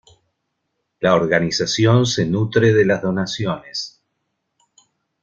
La organización se nutre de las donaciones.